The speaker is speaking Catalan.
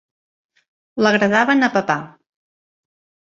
L'agradaven a papà!